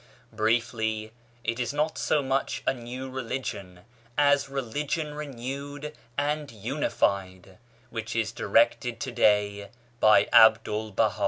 Briefly, it is not so much a new religion as religion renewed and unified, which is directed to day by Abdul'1 Baha.